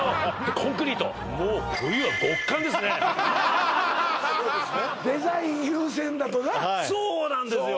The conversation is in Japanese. コンクリートもうデザイン優先だとなそうなんですよ